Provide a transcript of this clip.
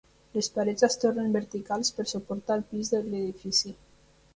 Les parets es tornen verticals per suportar el pis de l'edifici.